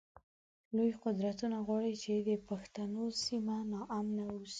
لوی قدرتونه غواړی چی د پښتنو سیمه ناامنه اوسی